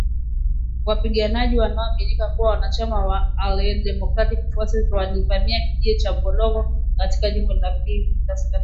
Wapiganaji wanaoaminika kuwa wanachama wa Allied Democratic Forces walivamia kijiji cha Bulongo katika jimbo la Kivu kaskazini